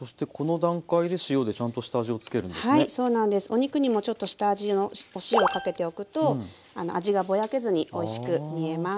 お肉にもちょっと下味のお塩をかけておくと味がぼやけずにおいしく煮えます。